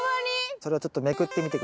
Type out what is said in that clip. それをちょっとめくってみて下さい。